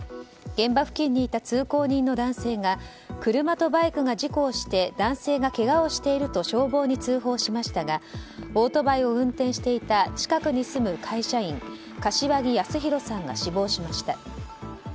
現場付近にいた通行人の男性が車とバイクが事故をして男性がけがをしていると消防に通報しましたがオートバイを運転していた近くに住む会社員柏木康宏さんが死亡しました。